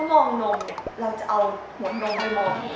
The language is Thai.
เขามองนมเราจะเอาหัวนมไปมอง